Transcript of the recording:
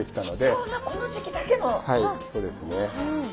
はいそうですね。